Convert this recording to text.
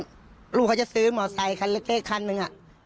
ลูกเค้าจะซื้อมอไซทีเดียคันหมึง